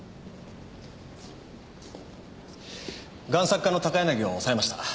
贋作家の高柳を押さえました。